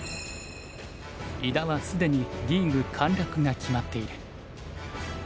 伊田は既にリーグ陥落が決まっている。